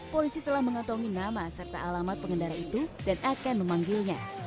polisi telah mengantongi nama serta alamat pengendara itu dan akan memanggilnya